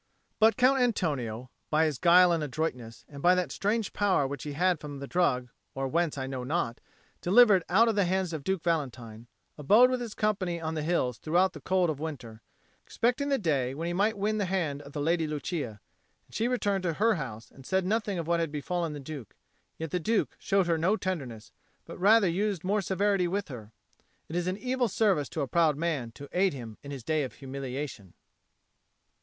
But Count Antonio being, by his guile and adroitness, and by that strange power which he had from the drug or whence I know not, delivered out of the hands of Duke Valentine, abode with his company on the hills throughout the cold of winter, expecting the day when he might win the hand of the Lady Lucia; and she returned to her house, and said nothing of what had befallen the Duke. Yet the Duke showed her no tenderness, but rather used more severity with her. It is an evil service to a proud man to aid him in his day of humiliation.